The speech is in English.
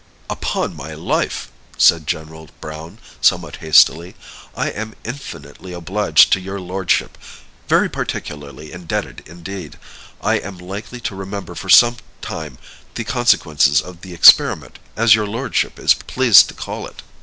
"Upon my life," said General Browne, somewhat hastily, "I am infinitely obliged to your lordship very particularly indebted indeed. I am likely to remember for some time the consequences of the experiment, as your lordship is pleased to call it."